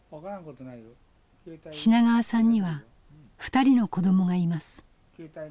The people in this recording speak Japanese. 品川さんには２人の子どもがいます。